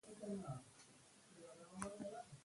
د فيمنيزم په سترګيو کې وکتل شو